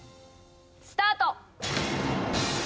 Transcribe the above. スタート！